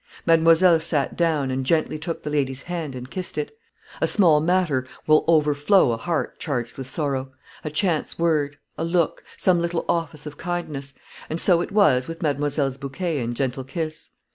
Mademoiselle sat down, and gently took the lady's hand and kissed it. A small matter will overflow a heart charged with sorrow a chance word, a look, some little office of kindness and so it was with mademoiselle's bouquet and gentle kiss.